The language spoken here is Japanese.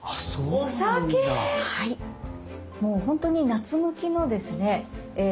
もうほんとに夏向きのですね